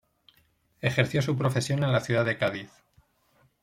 Ejerció su profesión en la ciudad de Cádiz.